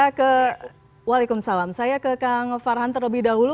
oke baik saya ke kang farhan terlebih dahulu